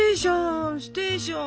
「ステーショーン！